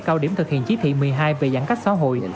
cao điểm thực hiện chỉ thị một mươi hai về giãn cách xã hội